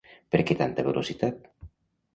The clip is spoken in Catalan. Per què tanta velocitat?